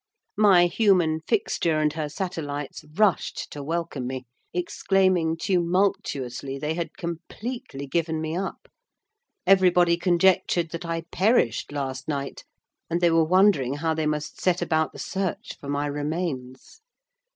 My human fixture and her satellites rushed to welcome me; exclaiming, tumultuously, they had completely given me up: everybody conjectured that I perished last night; and they were wondering how they must set about the search for my remains.